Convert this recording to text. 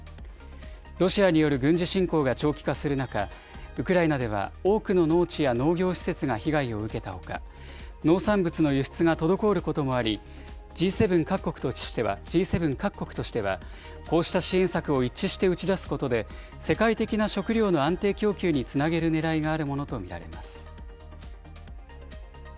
ロシアによる軍事侵攻が長期化する中、ウクライナでは多くの農地や農業施設が被害を受けたほか、農産物の輸出が滞ることもあり、Ｇ７各国としては、こうした支援策を一致して打ち出すことで世界的な食料の安定供給につなげるねらいがあるものと見られます。